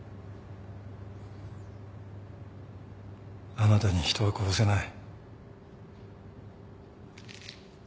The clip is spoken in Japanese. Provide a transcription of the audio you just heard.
あなたに人は殺せない。